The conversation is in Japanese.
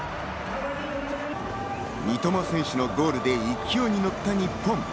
三笘選手のゴールで勢いにのった日本。